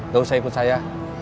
gak usah ikut saya